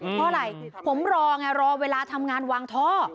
เพราะอะไรผมรอไงรอเวลาทำงานวางท่อ